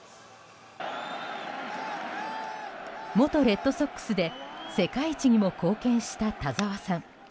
元レッドソックスで世界一にも貢献した田澤さん。